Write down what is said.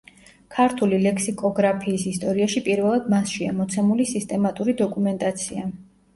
ქართული ლექსიკოგრაფიის ისტორიაში პირველად მასშია მოცემული სისტემატური დოკუმენტაცია.